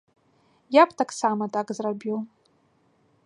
Я б таксама так зрабіў.